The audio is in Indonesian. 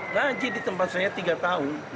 ngaji di tempat saya tiga tahun